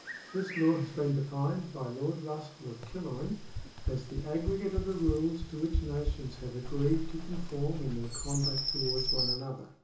This law has been defined by Lord Russell of Killowen ^ as '' the aggregate of the rules to which nations have agreed to conform in their conduct towards one another."